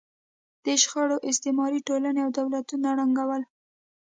دې شخړو استعماري ټولنې او دولتونه ړنګول.